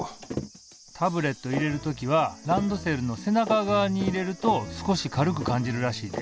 タブレット入れる時はランドセルの背中側に入れると少し軽く感じるらしいで。